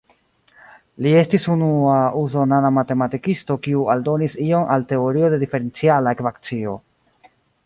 Li estis unua usonana matematikisto kiu aldonis ion al teorio de diferenciala ekvacio.